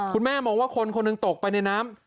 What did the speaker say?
คุณแม่มองว่าคนคนหนึ่งตกไปในน้ำ